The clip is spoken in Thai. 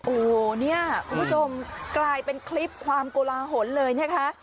โอ้โหเนี่ยคุณผู้ชมกลายเป็นคลิปความโกลาหลเลยนะคะ